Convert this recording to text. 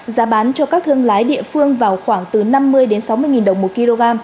giá bán cho các thương lái địa phương vào khoảng từ năm mươi sáu mươi đồng một kg